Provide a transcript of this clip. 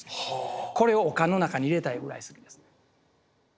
これをお棺の中に入れたいぐらい好きです。